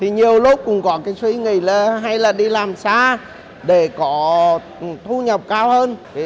nhiều lúc cũng có suy nghĩ là hay là đi làm xa để có thu nhập cao hơn